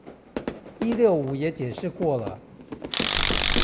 一六五也解釋過了